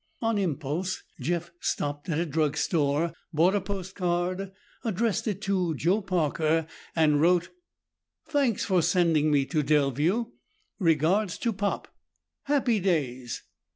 On impulse, Jeff stopped at a drugstore, bought a postcard, addressed it to Joe Parker, and wrote, "Thanks for sending me to Delview. Regards to Pop. Happy days."